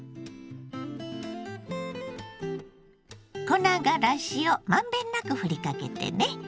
粉がらしをまんべんなくふりかけてね。